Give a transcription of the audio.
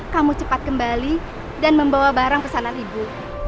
kamu cepat kembali dan membawa barang ke sana ibu